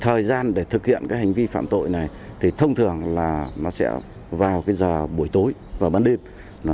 thời gian để thực hiện cái hành vi phạm tội này thì thông thường là nó sẽ vào cái giờ buổi tối và ban đêm